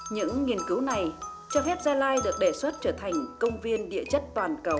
những nghiên cứu này cho phép gia lai được đề xuất trở thành công viên địa chất toàn cầu